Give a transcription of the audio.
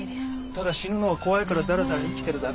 ただ死ぬのが怖いからだらだら生きてるだけ。